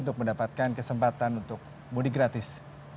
untuk mendapatkan kesempatan untuk mudik gratis